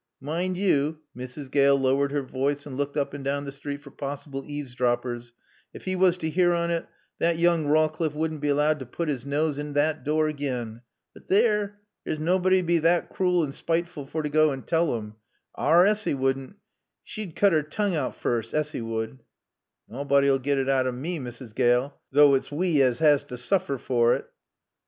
Mind yo" Mrs. Gale lowered her voice and looked up and down the street for possible eavesdroppers "ef 'e was to 'ear on it, thot yoong Rawcliffe wouldn't be 'lowed t' putt 's nawse in at door agen. But theer there's nawbody'd be thot crool an' spittiful fer to goa an' tall 'im. Our Assy wouldn't. She'd coot 'er toong out foorst, Assy would." "Nawbody'll get it out of mae, Mrs. Gale, though it's wae as 'as to sooffer for 't."